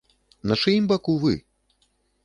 На чыім вы баку вы?